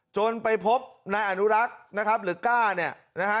จนไปพบนายอนุรักษ์นะครับหรือก้าเนี่ยนะฮะ